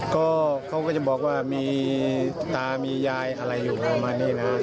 ก็เขาก็จะบอกว่ามีตามียายอะไรอยู่ประมาณนี้นะ